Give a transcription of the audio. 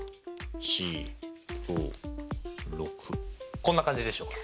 こんな感じでしょうか。